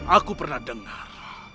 aku pernah dengar